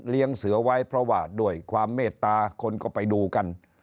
เสือไว้เพราะว่าด้วยความเมตตาคนก็ไปดูกัน